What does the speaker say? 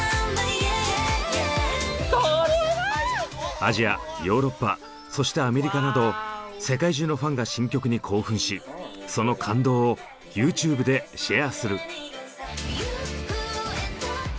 アジアヨーロッパそしてアメリカなど世界中のファンが新曲に興奮しその感動をＹｏｕＴｕｂｅでシェアする。